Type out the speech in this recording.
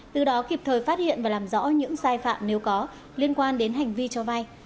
từ đó kịp thời phát hiện và làm rõ những sai phạm nếu có liên quan đến hành vi cho vay